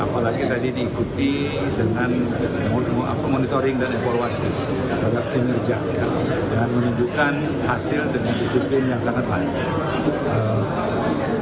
apalagi tadi diikuti dengan monitoring dan evaluasi terhadap kinerja dan menunjukkan hasil dan disiplin yang sangat baik